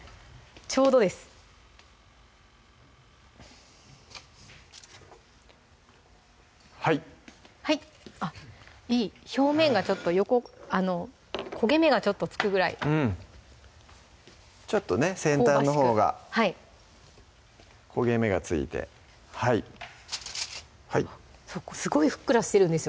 ちょうどですはいはいあっいい表面がちょっと横焦げ目がちょっとつくぐらいちょっとね先端のほうが焦げ目がついてすごいふっくらしてるんです